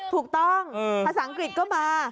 ถูกต้องภาษาอังกฤษก็มา